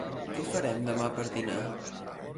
Què farem demà per dinar?